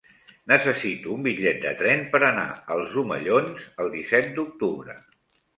Necessito un bitllet de tren per anar als Omellons el disset d'octubre.